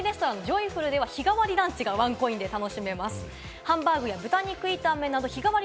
ファミリーレストランのジョイフルでは日替わりランチがワンコインで楽しめます。